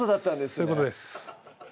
そういうことです